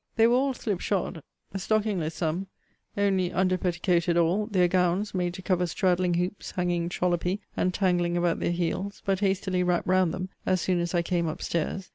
They were all slip shoed; stockingless some; only under petticoated all; their gowns, made to cover straddling hoops, hanging trollopy, and tangling about their heels; but hastily wrapt round them, as soon as I came up stairs.